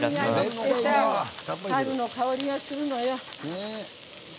春の香りがするのよ。